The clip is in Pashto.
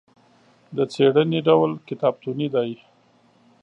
د څېړنې ډول کتابتوني دی.